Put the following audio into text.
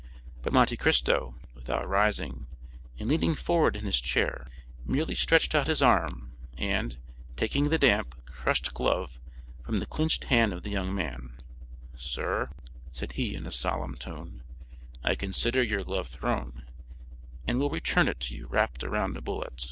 But Monte Cristo, without rising, and leaning forward in his chair, merely stretched out his arm and, taking the damp, crushed glove from the clenched hand of the young man: "Sir," said he in a solemn tone, "I consider your glove thrown, and will return it to you wrapped around a bullet.